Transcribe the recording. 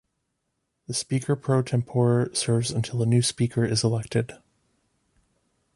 The Speaker Pro Tempore serves until a new Speaker is elected.